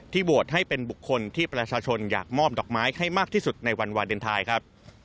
โหวตให้เป็นบุคคลที่ประชาชนอยากมอบดอกไม้ให้มากที่สุดในวันวาเลนไทยครับ